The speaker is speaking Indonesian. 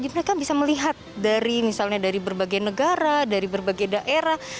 mereka bisa melihat dari misalnya dari berbagai negara dari berbagai daerah